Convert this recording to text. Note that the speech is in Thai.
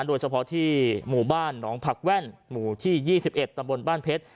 โดยเฉพาะที่หมู่บ้านหนองผักแว่นหมู่ที่๒๑ตำบลบ้านเพชร